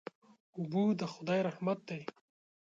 اوبه د خدای رحمت دی.